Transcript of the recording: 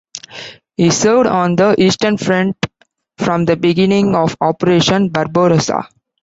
He served on the Eastern Front from the beginning of Operation Barbarossa.